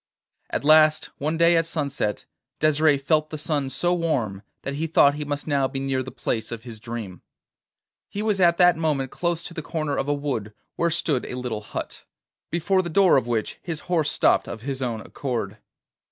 At last one day at sunset Desire felt the sun so warm, that he thought he must now be near the place of his dream. He was at that moment close to the corner of a wood where stood a little hut, before the door of which his horse stopped of his own accord.